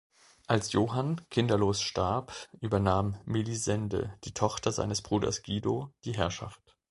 Als Johann kinderlos starb, übernahm Melisende, die Tochter seines Bruders Guido, die Herrschaft.